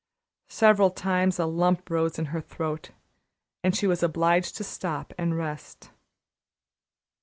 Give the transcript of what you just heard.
Several times a lump rose in her throat and she was obliged to stop to rest.